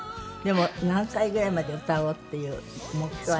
何歳ぐらいまで歌おうっていう目標あります？